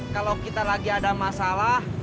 kalau kita lagi ada masalah